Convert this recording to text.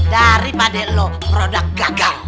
daripada lo produk gagal